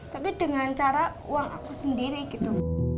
tapi dengan cara uang aku sendiri gitu